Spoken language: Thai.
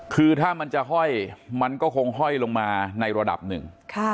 คือถ้ามันจะห้อยมันก็คงห้อยลงมาในระดับหนึ่ง